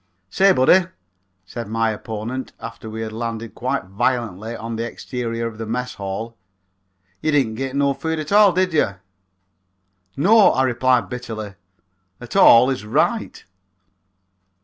"Say, buddy," said my opponent, after we had landed quite violently on the exterior of the Mess Hall, "you didn't git no food at all, did yer?" "No," I replied bitterly; "at all is right."